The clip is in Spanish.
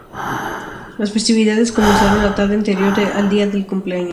Las festividades comenzaron la tarde anterior al día del cumpleaños.